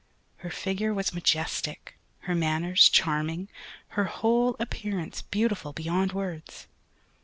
Her figure was majestic, her manners charming, her whole appearance beautiful beyond words.